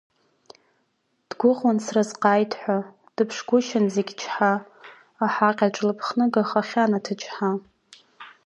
Дгәыӷуан сразҟы ааит ҳәа, дыԥшгәышьан зегь чҳа, аҳаҟьаҿ лыԥхныга хахьан аҭыџьҳа.